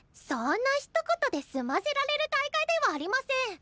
そんなひと言で済ませられる大会ではありません。